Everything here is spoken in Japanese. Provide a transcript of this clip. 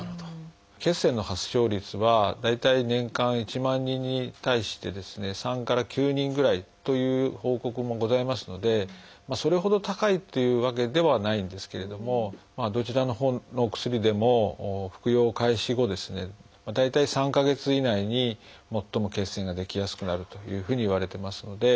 血栓の発症率は大体年間１万人に対してですね３から９人ぐらいという報告もございますのでそれほど高いというわけではないんですけれどもどちらのほうのお薬でも服用開始後大体３か月以内に最も血栓が出来やすくなるというふうにいわれてますので。